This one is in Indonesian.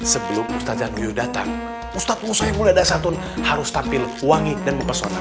sebelum ustadz anuyur datang ustadz musa yang mulia dasar tun harus tampil wangi dan mempersoalkan